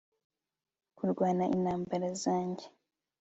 kurwana intambara zanjye